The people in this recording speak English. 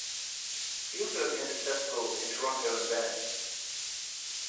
He also attended festivals in Toronto and Venice.